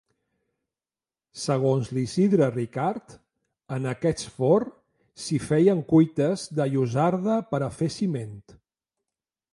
Segons l'Isidre Ricard, en aquest forn s'hi feien cuites de llosarda per a fer ciment.